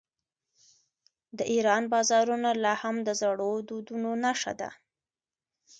د ایران بازارونه لا هم د زړو دودونو نښه ده.